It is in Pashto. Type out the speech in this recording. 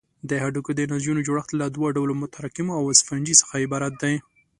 د هډوکو د نسجونو جوړښت له دوه ډوله متراکمو او سفنجي څخه عبارت دی.